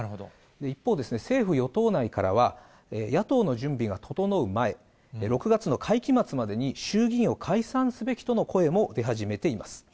一方、政府・与党内からは、野党の準備が整う前、６月の会期末までに、衆議院を解散すべきとの声も出始めています。